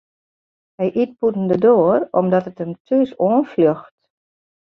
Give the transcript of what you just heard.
Hy yt bûten de doar omdat it him thús oanfljocht.